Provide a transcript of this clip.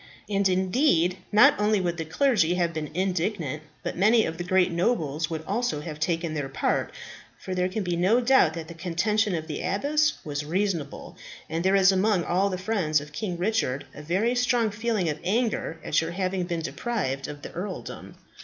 And indeed, not only would the clergy have been indignant, but many of the great nobles would also have taken their part, for there can be no doubt that the contention of the abbess was reasonable; and there is among all the friends of King Richard a very strong feeling of anger at your having been deprived of the earldom.